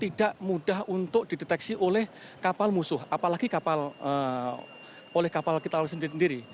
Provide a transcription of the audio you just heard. tidak mudah untuk dideteksi oleh kapal musuh apalagi kapal kita sendiri